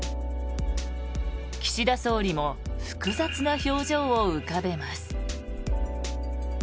岸田総理も複雑な表情を浮かべます。